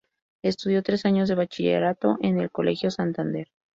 Estudió tres años de bachillerato en el Colegio Santander.